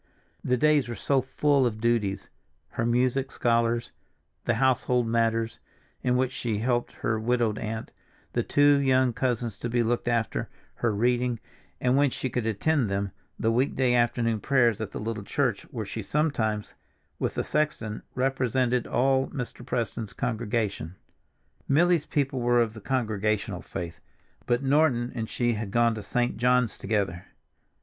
The days were so full of duties; her music scholars, the household matters, in which she helped her widowed aunt, the two young cousins to be looked after, her reading, and, when she could attend them, the weekday afternoon prayers at the little church where she sometimes, with the sexton, represented all Mr. Preston's congregation. Milly's people were of the Congregational faith, but Norton and she had gone to St. John's together.